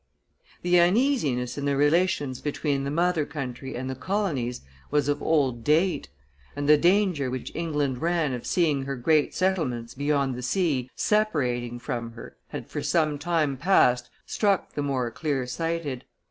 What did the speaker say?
The uneasiness in the relations between the mother country and the colonies was of old date; and the danger which England ran of seeing her great settlements beyond the sea separating from her had for some time past struck the more clear sighted.